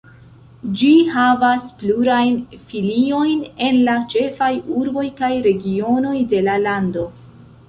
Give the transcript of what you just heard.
Ĝi havas plurajn filiojn en la ĉefaj urboj kaj regionoj de la lando.